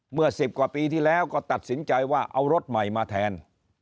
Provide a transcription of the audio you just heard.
เมื่อ๑๐กว่าปีที่แล้วก็ตัดสินใจว่าเอารถใหม่มาแทน